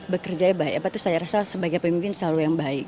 bekerja baik apa itu saya rasa sebagai pemimpin selalu yang baik